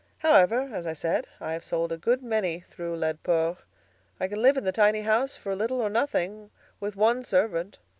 However, as I said, I have sold a good many through Laidpore. I can live in the tiny house for little or nothing, with one servant.